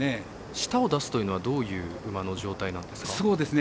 舌を出すというのはどういう馬の状態なんですか？